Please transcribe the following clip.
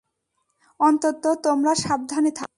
অন্তত, তোমরা সাবধানে থাকো।